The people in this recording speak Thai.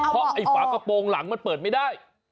เพราะไอ้ฝากระโปรงหลังมันเปิดไม่ได้